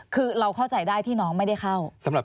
คือเราเข้าใจได้ที่น้องไม่ได้เข้า